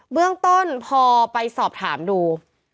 เบื้องต้นพอไปสอบถามดู